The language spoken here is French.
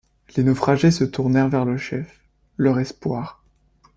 Les naufragés se tournèrent vers le chef, leur espoir.